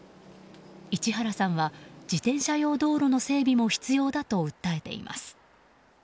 市原さんは、自転車用道路の整備も必要だと訴えています。